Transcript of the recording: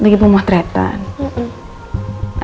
lagi belum matretan